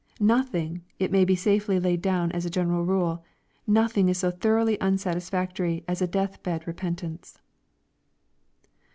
Nothing, it may be safely laid down as a general rule, nothing is so thoroughly unsatisfactory as a death bed repentance.